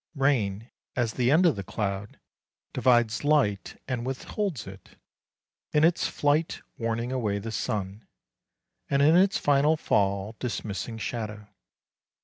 Rain, as the end of the cloud, divides light and withholds it; in its flight warning away the sun, and in its final fall dismissing shadow.